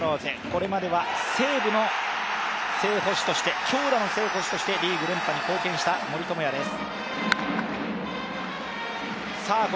これまでは西武の正捕手として強打の正捕手として、リーグ連覇に貢献した森友哉です。